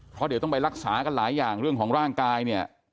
เพราะเดี๋ยวต้องไปรักษากันหลายอย่างเรื่องของร่างกายเนี่ย